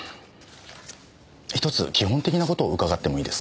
１つ基本的な事を伺ってもいいですか。